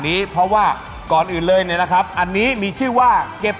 โชคความแม่นแทนนุ่มในศึกที่๒กันแล้วล่ะครับ